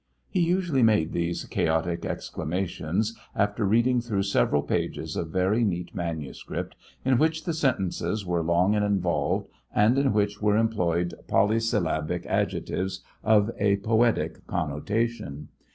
He usually made these chaotic exclamations after reading through several pages of very neat manuscript in which the sentences were long and involved, and in which were employed polysyllabic adjectives of a poetic connotation.